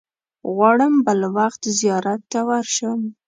غواړم بل وخت زیارت ته ورشم.